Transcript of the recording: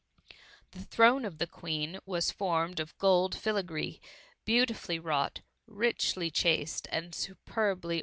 The throne of the Queen was formed of gold filagree beautifully wrought, richly chased and superbly THE M0MMY.